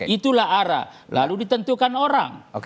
itulah arah lalu ditentukan orang